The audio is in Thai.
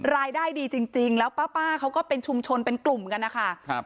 รายได้ดีจริงแล้วป้าเขาก็เป็นชุมชนเป็นกลุ่มกันนะคะ